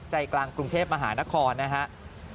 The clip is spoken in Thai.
ใจกลางกรุงเทพมหานครนะครับ